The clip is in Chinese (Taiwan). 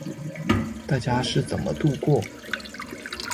大家是怎麼度過